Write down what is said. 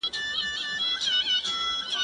زه پرون لوښي وچوم وم،